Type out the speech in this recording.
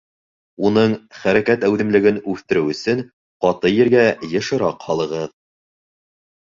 Уның хәрәкәт әүҙемлеген үҫтереү өсөн, ҡаты ергә йышыраҡ һалығыҙ.